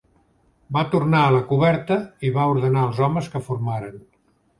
Va tornar a la coberta i va ordenar als homes que formaren.